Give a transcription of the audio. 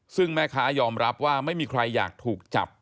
ซึ่งแม่ค้ายอมรับว่าไม่มีใครอยากถูกจับ